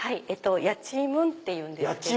やちむんっていうんですけど。